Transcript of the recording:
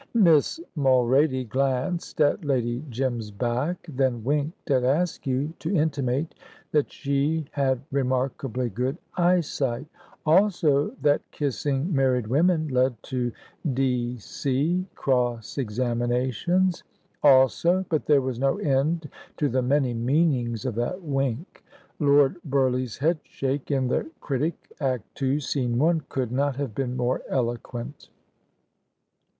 Miss Mulrady glanced at Lady Jim's back, then winked at Askew to intimate that she had remarkably good eyesight; also, that kissing married women led to D.C. cross examinations; also, but there was no end to the many meanings of that wink. Lord Burleigh's head shake, in The Critic, Act II., scene 1, could not have been more eloquent.